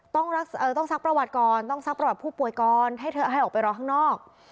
ต้องซักประวัติก่อนต้องซักประวัติผู้ป่วยก่อนให้เธอให้ออกไปรอข้างนอก